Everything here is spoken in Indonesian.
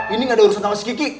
ini gak ada urusan sama si kiki